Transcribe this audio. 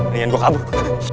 rian gua kabur